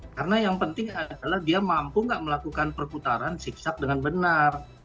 karena yang penting adalah dia mampu nggak melakukan perkutaran zigzag dengan benar